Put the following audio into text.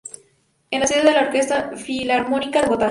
Es la sede de la Orquesta Filarmónica de Bogotá.